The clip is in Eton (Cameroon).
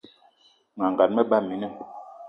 Mas gan, me ba mina.